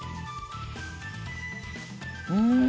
うん！